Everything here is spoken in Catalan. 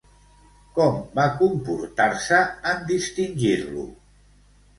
Com va comportar-se, en distingir-lo?